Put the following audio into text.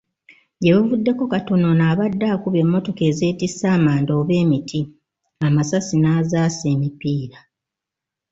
Gye buvuddeko katono, ono abadde akuba emmotoka ezeetisse amanda oba emiti, amasasi n'azaasa emipiira.